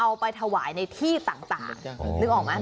เอาไปถวายในที่ต่างต่างนึกออกมั้ย